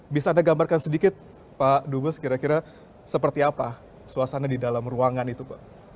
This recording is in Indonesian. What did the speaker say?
bisa anda gambarkan sedikit pak dubes kira kira seperti apa suasana di dalam ruangan itu pak